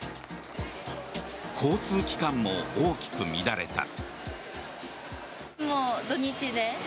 交通機関も大きく乱れた。